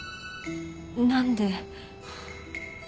何で？